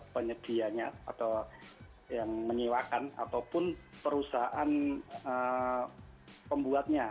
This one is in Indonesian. penyedianya atau yang menyewakan ataupun perusahaan pembuatnya